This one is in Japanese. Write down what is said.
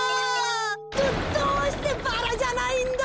どどうしてバラじゃないんだ！